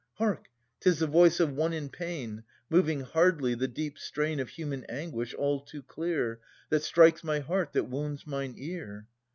Hark ! 'tis the voice of one in pain. Moving hardly, the deep strain Of human anguish, all too clear, That strikes my heart, that wounds mine ear.